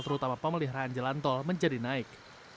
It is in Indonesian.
terutama pemeliharaan jalan tol menjadi naik